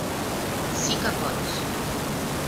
Sí que pots.